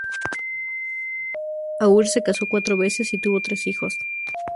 Auer se casó cuatro veces y tuvo tres hijos.